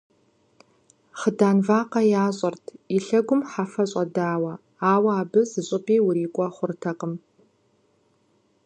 Хъыдан вакъэ ящӀырт, и лъэгум хьэфэ щӀэдауэ, ауэ абы зыщӀыпӀи урикӀуэ хъуртэкъым.